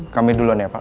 kami duluan ya pak